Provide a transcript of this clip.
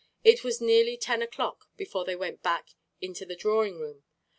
It was nearly ten o'clock before they went back into the drawing room.